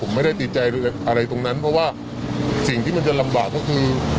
ผมไม่ได้ติดใจอะไรตรงนั้นเพราะว่าสิ่งที่มันจะลำบากก็คือ